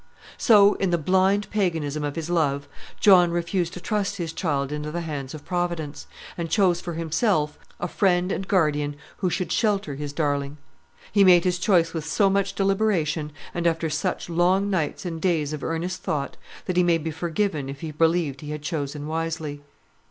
So, in the blind paganism of his love, John refused to trust his child into the hands of Providence, and chose for himself a friend and guardian who should shelter his darling. He made his choice with so much deliberation, and after such long nights and days of earnest thought, that he may be forgiven if he believed he had chosen wisely.